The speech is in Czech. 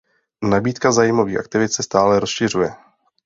Nabídka zájmových aktivit se stále rozšiřuje.